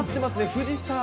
富士山。